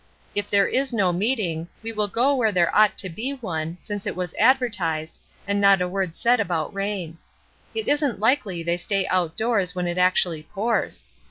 If there is no meeting, we will go where there ought to be one, since it was advertised, and not a word said about rain. It isn't likely they stay out doors when it actually pours.